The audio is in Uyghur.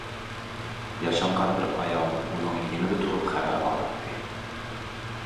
ياشانغان بىر ئايال ئۇنىڭ يېنىدا تۇرۇپ خەۋەر ئالاتتى.